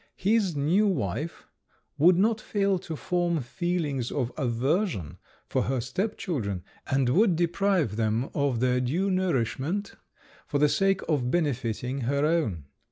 His new wife would not fail to form feelings of aversion for her step children, and would deprive them of their due nourishment for the sake of benefiting her own.